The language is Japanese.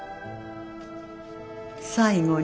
最後に。